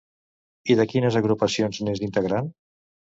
I de quines agrupacions n'és integrant?